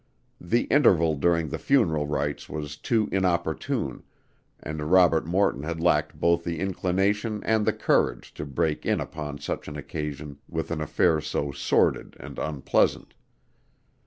The interval during the funeral rites was too inopportune, and Robert Morton had lacked both the inclination and the courage to break in upon such an occasion with an affair so sordid and unpleasant.